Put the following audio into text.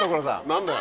何だよ。